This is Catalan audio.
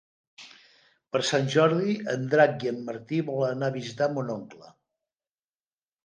Per Sant Jordi en Drac i en Martí volen anar a visitar mon oncle.